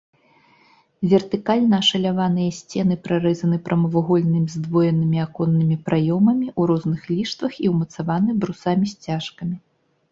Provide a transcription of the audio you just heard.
Вертыкальна ашаляваныя сцены прарэзаны прамавугольнымі здвоенымі аконнымі праёмамі ў разных ліштвах і ўмацаваны брусамі-сцяжкамі.